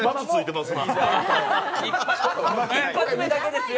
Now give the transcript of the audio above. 一発目だけですよ。